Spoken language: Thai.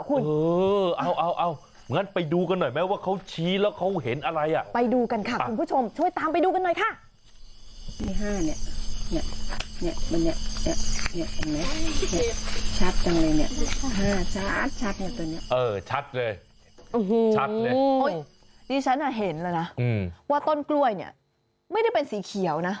อุ้ยนี่ฉันเห็นแล้วนะว่าต้นกล้วยเนี่ยไม่ได้เป็นสีเขียวนะ